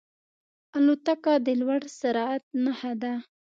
الوتکه د لوړ سرعت نښه ده.